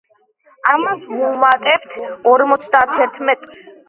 ამას ვუმატებთ ორმოცდათერთმეტს.